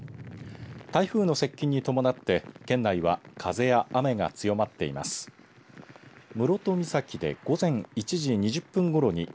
台風の接近に伴って県内は風や雨が強まっています。